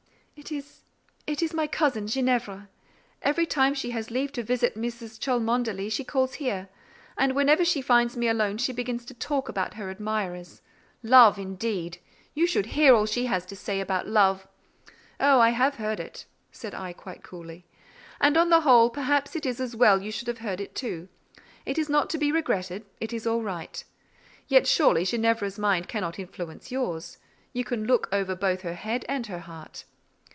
"It is—it is my cousin Ginevra. Every time she has leave to visit Mrs. Cholmondeley she calls here, and whenever she finds me alone she begins to talk about her admirers. Love, indeed! You should hear all she has to say about love." "Oh, I have heard it," said I, quite coolly; "and on the whole, perhaps it is as well you should have heard it too: it is not to be regretted, it is all right. Yet, surely, Ginevra's mind cannot influence yours. You can look over both her head and her heart."